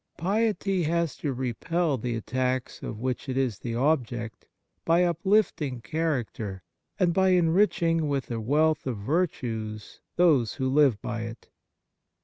Piety has to repel the attacks of which it is the object by uplifting character and by enriching with a wealth of virtues those who live by it.